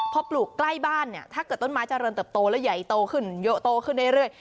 พอปลูกใกล้บ้านเนี่ยถ้าเกิดต้นไม้เจริญเติบโตแล้วใหญ่โตขึ้นเยอะโตขึ้นเรื่อย